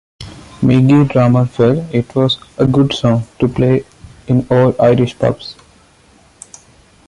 Migi Drummond felt it was "a good song to play in all Irish pubs".